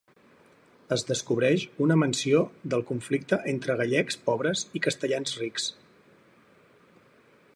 Es descobreix una menció del conflicte entre gallecs pobres i castellans rics.